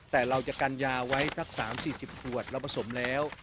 แต่เราจะกันยาไว้สัก๓๔๐ขวดเราผสมแล้ว